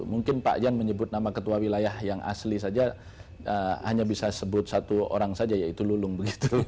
mungkin pak jan menyebut nama ketua wilayah yang asli saja hanya bisa sebut satu orang saja yaitu lulung begitu